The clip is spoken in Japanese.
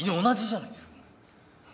同じじゃないっすか。